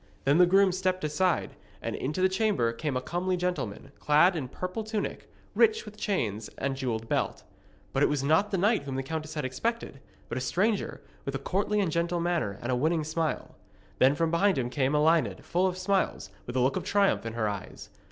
Then the groom stepped aside, and into the chamber came a comely gentleman, clad in purple tunic, rich with chains and jewelled belt. But it was not the knight whom the countess had expected, but a stranger, with a courtly and gentle manner and a winning smile. Then from behind him came Elined, full of smiles, with a look of triumph in her eyes.